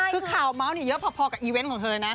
คือข่าวเมาส์เยอะพอกับอีเวนต์ของเธอนะ